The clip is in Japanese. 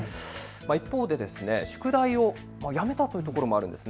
一方で宿題をやめたというところもあるんです。